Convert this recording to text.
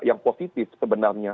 yang positif sebenarnya